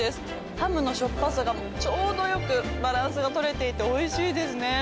ハムのしょっぱさがちょうどよくバランスが取れていておいしいですね。